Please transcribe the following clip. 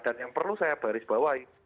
dan yang perlu saya baris bawahi